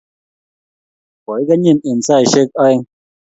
Koikenyinin eng saishek aeng